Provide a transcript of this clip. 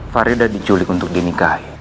faridah diculik untuk dinikahi